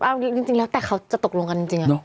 เอาจริงแล้วแต่เขาจะตกลงกันจริง